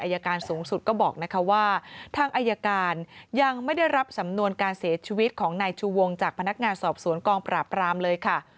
อายการสูงสุดก็บอกนะคะว่าทางอายการยังไม่ได้รับสำนวนการเสียชีวิตของนายชูวงจากพนักงานสอบสวนกองปราบรามเลยค่ะ